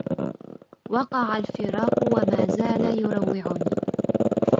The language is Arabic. وقع الفراق وما يزال يروعني